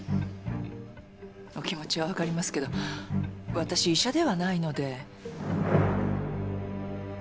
お気持ちはわかりますけど私医者ではないので。